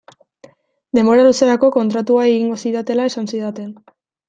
Denbora luzerako kontratua egingo zidatela esan zidaten.